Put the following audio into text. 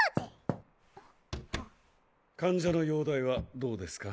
・コンコン患者の容体はどうですか？